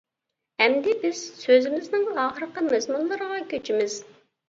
ئەمدى بىز سۆزىمىزنىڭ ئاخىرقى مەزمۇنلىرىغا كۆچىمىز.